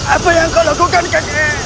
apa yang kau lakukan kan